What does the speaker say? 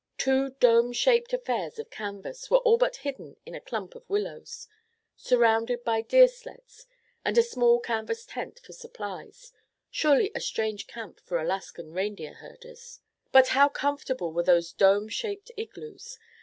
Two dome shaped affairs of canvas were all but hidden in a clump of willows, surrounded by deer sleds and a small canvas tent for supplies—surely a strange camp for Alaskan reindeer herders. But how comfortable were those dome shaped igloos!